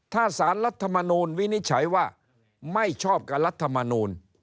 ถ้าสารรัฐมนูลวินิจฉัยว่าไม่ชอบกับรัฐมนูล